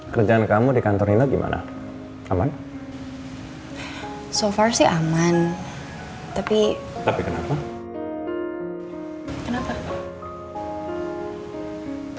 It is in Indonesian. kerjaan kamu di kantor ini gimana aman so far sih aman tapi kenapa